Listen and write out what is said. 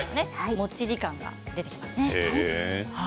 もっちり感が出ますね。